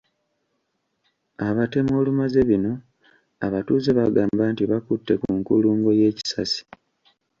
Abatemu olumaze bino abatuuze bagamba nti bakutte ku nkulungo y’e Kisasi.